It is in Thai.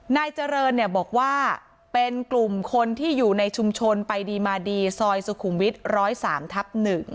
นายเจริญบอกว่าเป็นกลุ่มคนที่อยู่ในชุมชนไปดีมาดีซอยสุขุมวิทย์๑๐๓ทับ๑